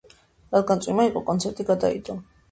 რადგან წვიმა იყო კონცერტი გადაიდო